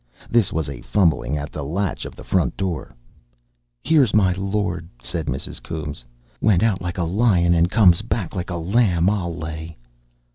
This was a fumbling at the latch of the front door. "'Ere's my lord," said Mrs. Coombes. "Went out like a lion and comes back like a lamb, I'll lay."